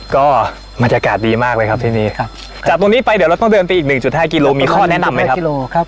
ก็มันยากาศดีมากเลยครับที่นี่จากตรงนี้ไปเดี๋ยวเราต้องเดินไปอีก๑๕กิโลมีข้อแนะนำไหมครับ